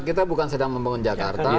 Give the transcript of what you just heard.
kita bukan sedang membangun jakarta